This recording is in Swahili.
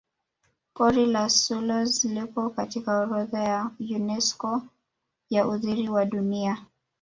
pori la selous lipo katika orodha ya unesco ya urithi wa dunia